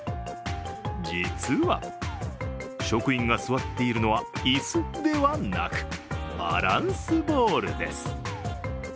実は、職員が座っているのは椅子ではなくバランスボールです。